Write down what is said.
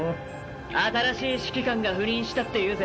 新しい指揮官が赴任したっていうぜ。